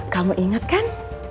kamu ingat kan